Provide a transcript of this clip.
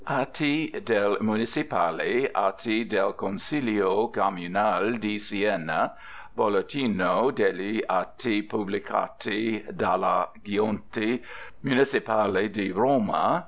"Atti del Municipale! Atti del Consiglio Comunale di Siena. Bollettino Degli atti Pubblicati Dalla Giunta Municipale di Roma."